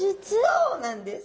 そうなんです。